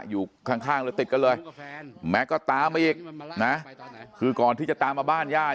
อยู่ข้างข้างเลยติดกันเลยแม็กซ์ก็ตามมาอีกนะคือก่อนที่จะตามมาบ้านย่า